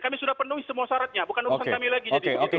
kami sudah penuhi semua syaratnya bukan urusan kami lagi